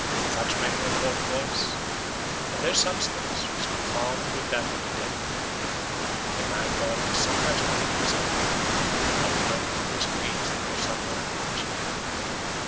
Such men were called gods, and their substance was confounded with that of the deity. The man god was sometimes the king himself; oftener he was a priest or subordinate chief.